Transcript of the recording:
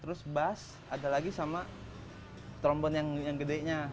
terus bas ada lagi sama trombon yang gedenya